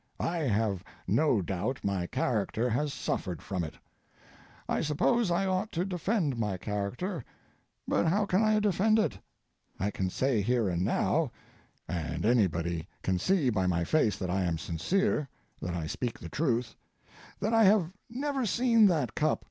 I have no doubt my character has suffered from it. I suppose I ought to defend my character, but how can I defend it? I can say here and now—and anybody can see by my face that I am sincere, that I speak the truth—that I have never seen that Cup.